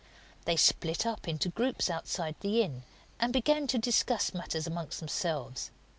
They split up into groups outside the inn, and began to discuss matters amongst themselves.